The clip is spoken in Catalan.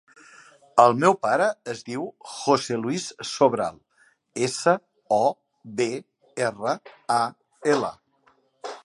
El meu pare es diu José luis Sobral: essa, o, be, erra, a, ela.